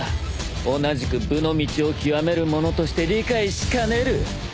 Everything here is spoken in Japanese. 同じく武の道をきわめる者として理解しかねる。